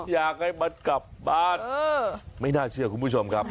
อยากให้มันกลับบ้านไม่น่าเชื่อคุณผู้ชมครับ